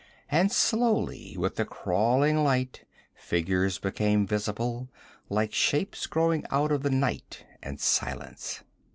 And slowly with the crawling light, figures became visible, like shapes growing out of the night and silence.